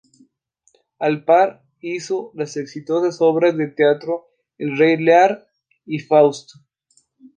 A la par hizo las exitosas obras de teatro "El rey Lear" y "Fausto".